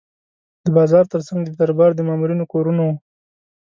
د بازار ترڅنګ د دربار د مامورینو کورونه وو.